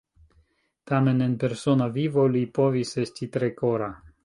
Tamen en persona vivo li povis esti tre kora.